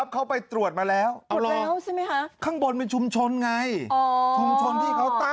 เขาไปตรวจมาแล้วข้างบนเป็นชุมชนไง